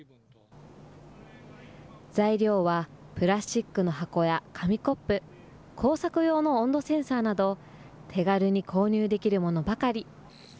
材料はプラスチックの箱や紙コップ、工作用の温度センサーなど、手軽に購入できるものばかり。